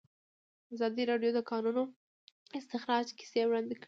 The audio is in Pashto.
ازادي راډیو د د کانونو استخراج کیسې وړاندې کړي.